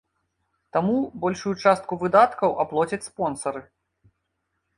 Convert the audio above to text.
Таму большую частку выдаткаў аплоцяць спонсары.